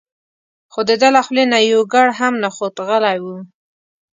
خو دده له خولې نه یو ګړ هم نه خوت غلی و.